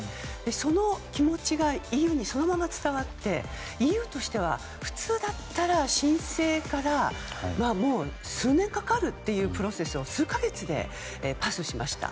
その気持ちがＥＵにそのまま伝わってＥＵとしては、普通だったら申請から数年かかるっていうプロセスを数か月でパスしました。